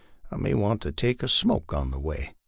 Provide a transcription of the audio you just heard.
I may want to take a smoke on the way.